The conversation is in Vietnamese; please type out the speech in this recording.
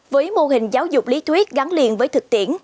với mô hình giáo dục lý thuyết gắn liền với thực tiễn